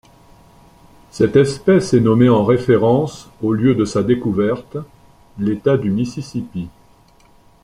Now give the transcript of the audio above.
Cette espèce est nommée en référence au lieu de sa découverte, l'État du Mississippi.